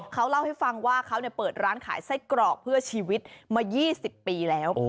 เขาเล่าให้ฟังว่าเขาเปิดร้านขายไส้กรอกเพื่อชีวิตมา๒๐ปีแล้ว